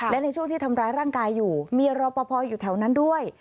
และในช่วงที่ทำร้ายร่างกายอยู่มีรอปภอยู่แถวนั้นด้วย